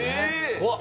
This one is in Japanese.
怖っ！